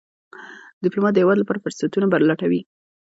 ډيپلومات د هېواد لپاره فرصتونه لټوي.